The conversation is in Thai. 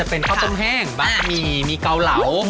เป็นข้าวต้มแห้งบะหมี่มีเกาเหลา